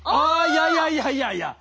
いやいやいやいやいや！